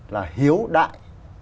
là hiếu đại